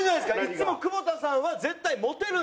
いつも久保田さんは絶対モテるんですと。